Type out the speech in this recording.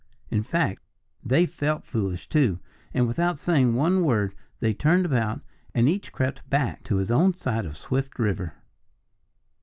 In fact, they felt foolish, too. And without saying one word they turned about and each crept back to his own side of Swift River.